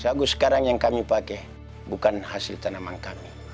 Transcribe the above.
sagu sekarang yang kami pakai bukan hasil tanaman kami